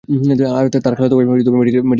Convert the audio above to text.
তার খালাতো ভাই ঢাকা মেডিকেল কলেজে পড়ে।